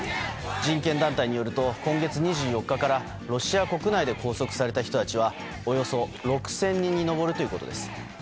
人権団体によると今月２４日にロシア国内で拘束された人たちはおよそ６０００人に上るということです。